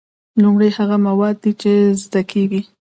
لومړی هغه مواد دي چې زده کیږي.